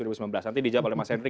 nanti dijawab oleh mas henry